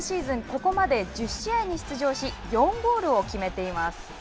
ここまで１０試合に出場し、４ゴールを決めています。